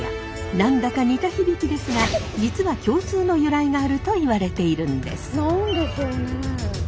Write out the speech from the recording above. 何だか似た響きですが実は共通の由来があるといわれているんです。